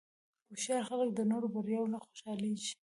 هوښیار خلک د نورو بریاوو نه خوشحالېږي.